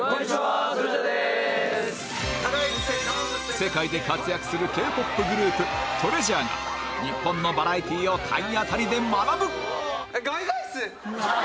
世界で活躍する Ｋ−ＰＯＰ グループ ＴＲＥＡＳＵＲＥ が日本のバラエティを体当たりで学ぶ！